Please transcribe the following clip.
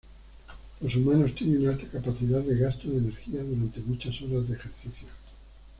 Los humanos tienen alta capacidad de gasto de energía durante muchas horas de ejercicio.